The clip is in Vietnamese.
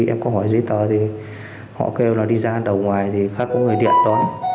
em có hỏi giấy tờ thì họ kêu là đi ra đầu ngoài thì khác có người điện đó